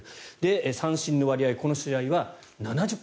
三振の割合、この試合は７０％。